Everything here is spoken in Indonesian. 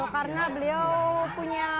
karena beliau punya